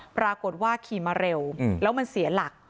ปรากฏว่าขี่มาเร็วแล้วมันเสียหลัก